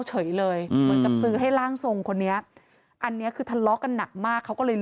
เฉยเลยเหมือนกับซื้อให้ร่างทรงคนนี้อันนี้คือทะเลาะกันหนักมากเขาก็เลย